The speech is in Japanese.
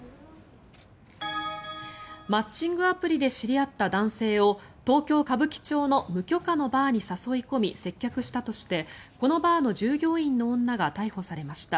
マッチングアプリで知り合った男性を東京・歌舞伎町の無許可のバーに誘い込み接客したとしてこのバーの従業員の女が逮捕されました。